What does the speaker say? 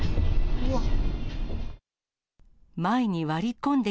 うわっ。